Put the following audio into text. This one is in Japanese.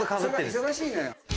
忙しいのよ。